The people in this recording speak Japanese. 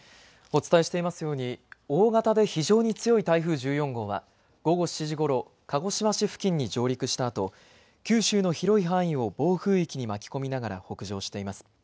お伝えしていますように大型で非常に強い台風１４号は午後７時ごろ鹿児島市付近に上陸したあと、九州の広い範囲を暴風域に巻き込みながら北上しています。